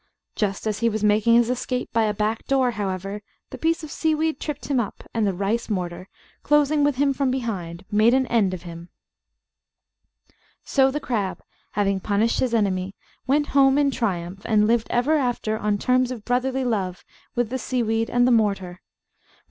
Just as he was making his escape by a back door, however, the piece of seaweed tripped him up, and the rice mortar, closing with him from behind, made an end of him. [Illustration: THE APE AND THE CRAB. (2)] So the crab, having punished his enemy, went home in triumph, and lived ever after on terms of brotherly love with the seaweed and the mortar.